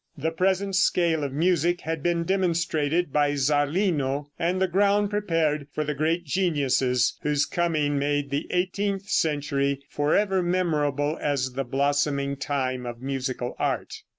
The present scale of music had been demonstrated by Zarlino, and the ground prepared for the great geniuses whose coming made the eighteenth century forever memorable as the blossoming time of musical art.